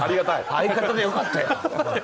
相方でよかったよ。